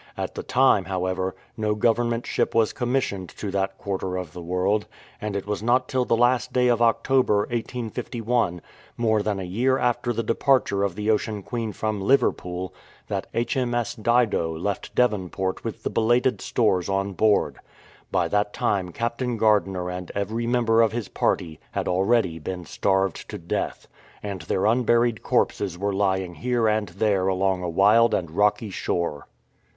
At the time, however, no Government ship was commissioned to that quarter of the world, and it was not till the last day of October, 1851, more than a year after the departure of the Ocean Queen from Liverpool, that H.M.S. Dido left Devonport with the belated stores on board. By that time Captain Gardiner and every member of his party had already been starved to death, and their unburied corpses were lying here and there along a wild and rocky shore.